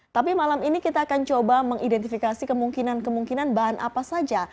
tapi malam ini kita akan coba mengidentifikasi kemungkinan kemungkinan bahan apa saja